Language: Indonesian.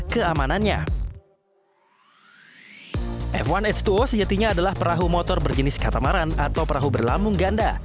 keamanannya f satu h dua o sejatinya adalah perahu motor berjenis katamaran atau perahu berlamung ganda